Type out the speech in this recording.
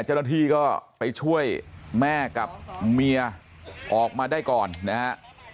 เจ้าหน้าที่ก็ไปช่วยแม่กับเมียออกมาได้ก่อนนะฮะ